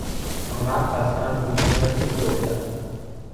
آنقدر خستهام که ممکن است بیفتم.